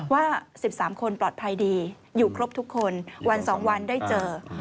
ว่า๑๓คนปลอดภัยดีอยู่ครบทุกคนวัน๒วันได้เจอ